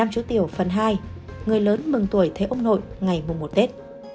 năm chú tiểu phần hai người lớn mừng tuổi thế ông nội ngày mùa một tết